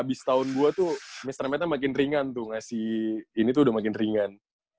abis tahun dua tuh misternya makin ringan tuh ngasih ini tuh udah makin ringan